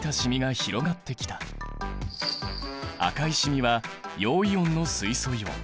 赤い染みは陽イオンの水素イオン。